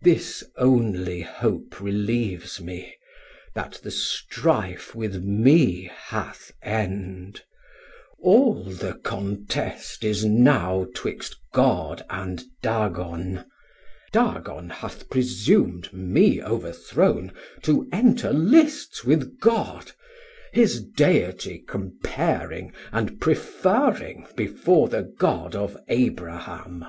This only hope relieves me, that the strife 460 With me hath end; all the contest is now 'Twixt God and Dagon; Dagon hath presum'd, Me overthrown, to enter lists with God, His Deity comparing and preferring Before the God of Abraham.